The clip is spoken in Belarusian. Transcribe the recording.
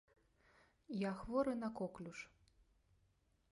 Я хворы на коклюш.